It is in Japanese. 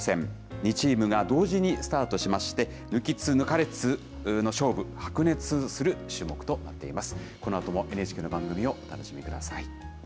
２チームが同時にスタートしまして、抜きつ抜かれつの勝負、白熱する種目となっています。